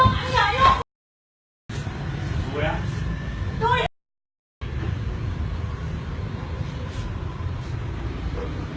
ช่วยด้วยค่ะส่วนสุด